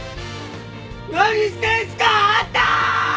何してんすかあんた！